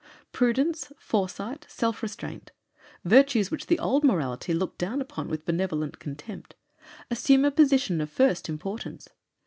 Prudence, foresight, self restraint virtues which old morality looked down upon with benevolent contempt assume a position of first importance.